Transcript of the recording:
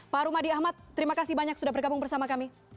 pak rumadi ahmad terima kasih banyak sudah bergabung bersama kami